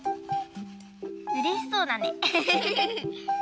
うれしそうだね。